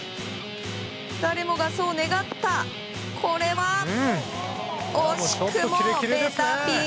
誰もがそう願ったこれは惜しくもベタピン！